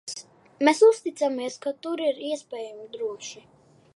Mēs uzticamies, ka tur ir iespējami droši.